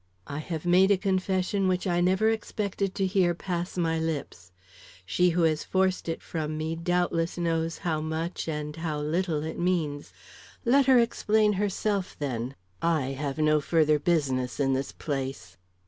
"I have made a confession which I never expected to hear pass my lips. She who has forced it from me doubtless knows how much and how little it means. Let her explain herself, then. I have no further business in this place."